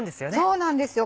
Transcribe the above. そうなんですよ